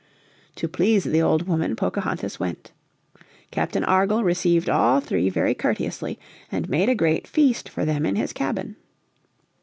To please the old woman Pocahontas went. Captain Argall received all three very courteously, and made a great feast for them in his cabin.